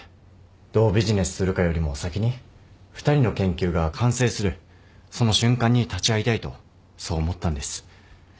どうビジネスするかよりも先に２人の研究が完成するその瞬間に立ち会いたいとそう思ったんです。